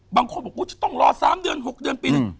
บางคนบอกจะต้องรอ๓เดือน๖เดือนปีหนึ่ง